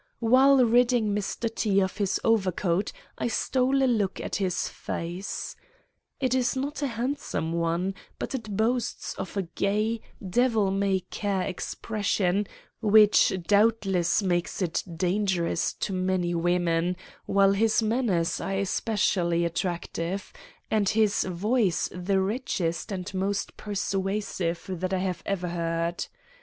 While ridding Mr. T—— of his overcoat, I stole a look at his face. It is not a handsome one, but it boasts of a gay, devil may care expression which doubtless makes it dangerous to many women, while his manners are especially attractive, and his voice the richest and most persuasive that I ever heard.